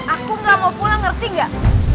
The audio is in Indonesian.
aku gak mau pulang ngerti gak